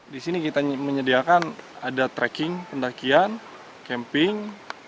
di sini kita menyediakan ada trekking pendakian camping